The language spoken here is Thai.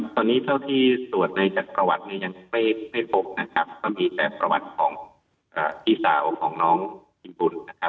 ตอนนี้เท่าที่ตรวจในจากประวัติเนี่ยยังไม่พบนะครับก็มีแต่ประวัติของพี่สาวของน้องทีมบุญนะครับ